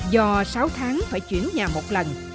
do sáu tháng phải chuyển nhà một lần